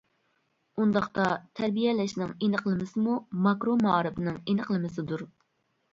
ئۇنداقتا، تەربىيەلەشنىڭ ئېنىقلىمىسىمۇ ماكرو مائارىپنىڭ ئېنىقلىمىسىدۇر.